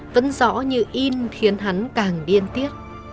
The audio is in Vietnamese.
vẫn rõ như in khiến hắn càng điên tiết